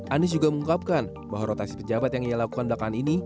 anies juga mengungkapkan bahwa rotasi pejabat yang ia lakukan belakangan ini